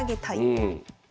うん。